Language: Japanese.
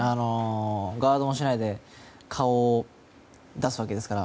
ガードもしないで顔を出すわけですから。